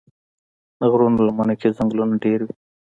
د غرونو لمنو کې ځنګلونه ډېر وي.